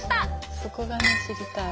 そこがね知りたい。